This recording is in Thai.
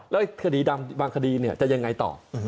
แล้วคดีดำบางคดีจะยังไงต่อ